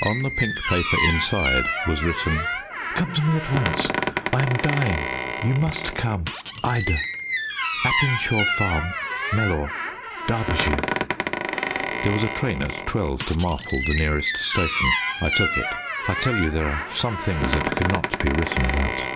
On the pink paper inside was written "Come to me at once. I am dying. You must come. IDA. Apinshaw Farm, Mellor, Derbyshire." There was a train at twelve to Marple, the nearest station. I took it. I tell you there are some things that cannot be written about.